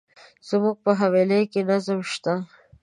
زموږ په حویلی کي نظم شته.